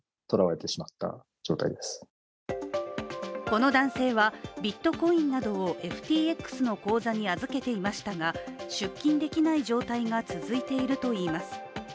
この男性はビットコインなどをＦＴＸの口座に預けていましたが出金できない状態が続いているといいます。